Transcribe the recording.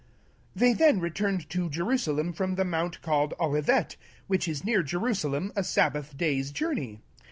12 Then they returned to Je rusalem from the mount called Olivet, which is near Jerusa lem, a sabbath day's journey.